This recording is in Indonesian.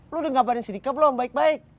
lu udah ngabarin si rika belum baik baik